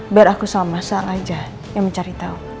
biar aku sama sang aja yang mencari tahu